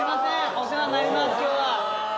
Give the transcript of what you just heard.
お世話になります今日は。